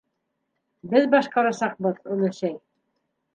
- Беҙ башҡарасаҡбыҙ, өләсәй.